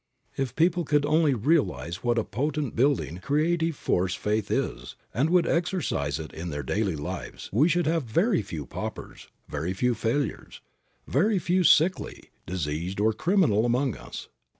If people could only realize what a potent building, creative force faith is, and would exercise it in their daily lives, we should have very few paupers, very few failures, very few sickly, diseased or criminal among us.